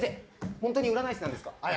ホントに占い師なんですか？」